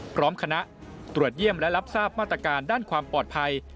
พร้อมคณะตรวจเยี่ยมและรับทราบมาตรการด้านความปลอดภัย